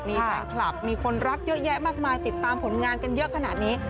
มีแฟนคลับมีคนรักเยอะแยะมากมายติดตามผลงานกันเยอะขนาดนี้